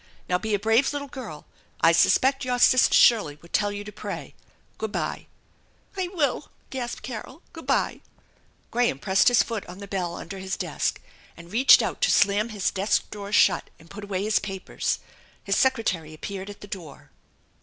Now be a brave little girl. I suspect your sister Shirley would tell you to pray. Good by." " I will !" gasped Carol. " Good by !" Graham pressed his foot on the bell under his desk and reached out to slam his desk drawers shut and put away his papers. His secretary appeared at the door.